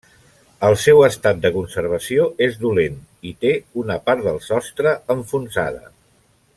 El seu estat de conservació és dolent i té una part del sostre enfonsada.